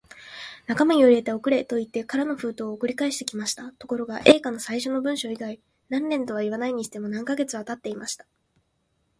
中身を入れて送れ、といって空の封筒を送り返してきました。ところが、Ａ 課の最初の文書以来、何年とはいわないにしても、何カ月かはたっていました。